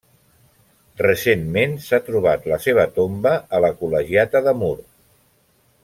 Recentment s'ha trobat la seva tomba a la Col·legiata de Mur.